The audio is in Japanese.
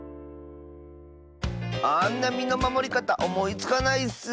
あんなみのまもりかたおもいつかないッス！